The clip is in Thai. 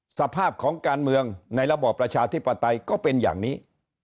สภาพของการเมืองในระบอบประชาธิปไตยก็เป็นอย่างนี้